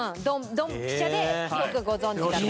ドンピシャでよくご存じだと。